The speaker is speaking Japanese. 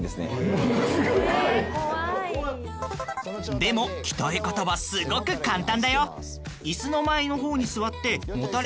でも鍛え方はすごく簡単だよ。